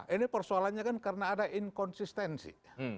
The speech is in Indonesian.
ini persoalannya kan karena ada inkonsistensi